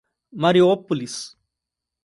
Mariópolis